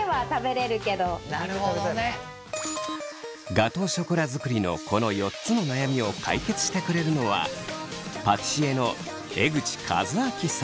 ガトーショコラ作りのこの４つの悩みを解決してくれるのはパティシエの江口和明さん。